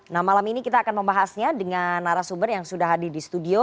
nah malam ini kita akan membahasnya dengan narasumber yang sudah hadir di studio